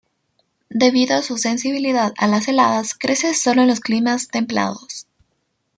Debido a su sensibilidad a las heladas crece sólo en los climas templados.